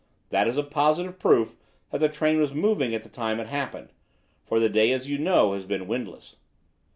That is a positive proof that the train was moving at the time it happened, for the day, as you know, has been windless.